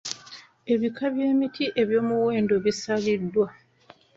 Ebika by'emiti eby'omuwendo bisalibwa.